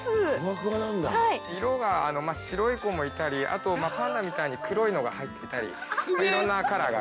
色が白い子もいたりパンダみたいに黒いのが入ってたりいろんなカラーが。